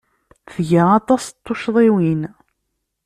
Tga aṭas n tuccḍiwin.